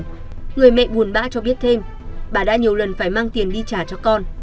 người mẹ buồn bã cho biết thêm bà đã nhiều lần phải mang tiền đi trả cho con